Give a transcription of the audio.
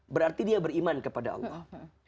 berarti dia beriman kepada allah